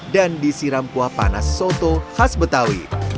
dan disiram pua panas soto khas betawi